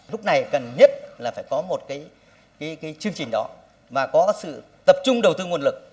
lúc này cần nhất là phải có một chương trình đó và có sự tập trung đầu tư nguồn lực